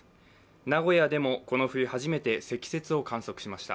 名古屋でもこの冬初めて積雪を観測しました。